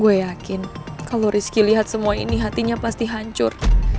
gue yakin kalau rizky lihat semua ini hatinya pasti hancur